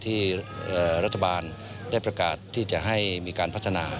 ที่รัฐบาลได้ประกาศที่จะให้มีการพัฒนา